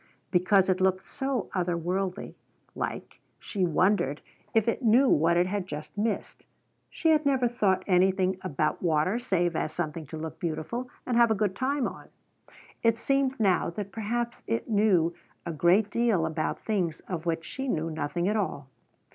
Because it looked so other world like she wondered if it knew what it had just missed. She had never thought anything about water save as something to look beautiful and have a good time on. It seemed now that perhaps it knew a great deal about things of which she knew nothing at all.